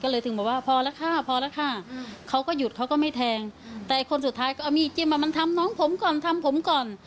ก็เลยถึงบอกว่าพอแล้วค่ะพอแล้วค่ะเขาก็หยุดเขาก็ไม่แทงแต่คนสุดท้ายก็เอามีดจิ้มอ่ะมันทำน้องผมก่อนทำผมก่อน